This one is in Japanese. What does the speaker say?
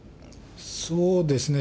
そうですね。